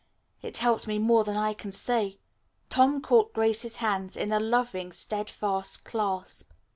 It helps me more than I can say." Tom caught Grace's hands in a loving, steadfast clasp.